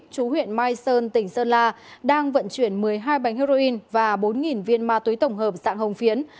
chú huyện mai sơn tỉnh sơn la đang vận chuyển một mươi hai bánh heroin và bốn viên ma túy tổng hợp dạng hồng phiến